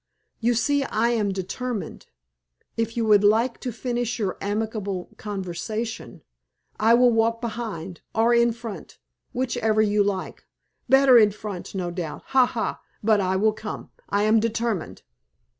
You see I am determined. If you would like to finish your amiable conversation, I will walk behind or in front whichever you like. Better in front, no doubt. Ha! ha! But I will come; I am determined."